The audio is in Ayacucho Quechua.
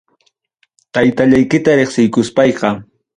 Taytallaykita reqsiykuspayqa.